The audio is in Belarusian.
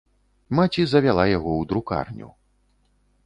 Маці завяла яго ў друкарню.